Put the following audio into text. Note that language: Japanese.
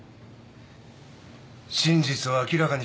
真実を明らかにしろよ。